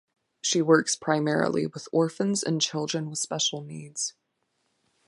She works primarily with orphans and children with special needs.